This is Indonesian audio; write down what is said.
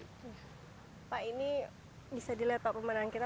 pak ini bisa dilihat pak pemenangan kita